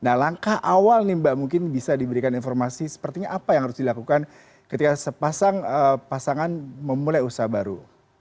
nah langkah awal nih mbak mungkin bisa diberikan informasi sepertinya apa yang harus dilakukan ketika pasangan memulai usaha baru